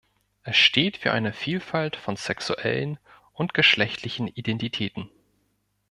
Es steht für eine Vielfalt von sexuellen und geschlechtlichen Identitäten.